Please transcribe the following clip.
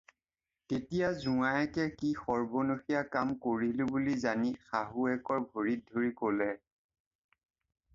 তেতিয়া জোঁৱায়েকে কি সৰ্বনশীয়া কাম কৰিলোঁ বুলি জানি, শাহুৱেকৰ ভৰিত ধৰি ক'লে।